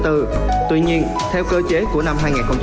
tuy nhiên theo cơ chế của năm hai nghìn hai mươi